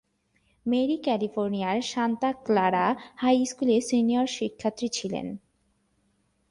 Mary ক্যালিফোর্নিয়ার Santa Clara high স্কুলে senior শিক্ষার্থী ছিলেন।